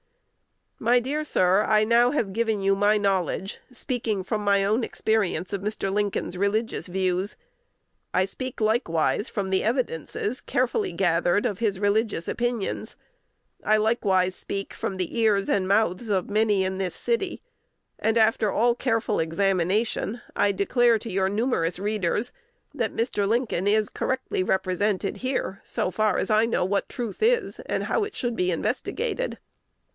My dear sir, I now have given you my knowledge, speaking from my own experience, of Mr. Lincoln's religious views. I speak likewise from the evidences, carefully gathered, of his religious opinions. I likewise speak from the ears and mouths of many in this city; and, after all careful examination, I declare to your numerous readers, that Mr. Lincoln is correctly represented here, so far as I know what truth is, and how it should be investigated.